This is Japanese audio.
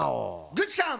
グッチさん！